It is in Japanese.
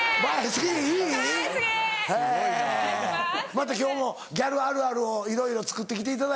また今日もギャルあるあるをいろいろ作って来ていただいて。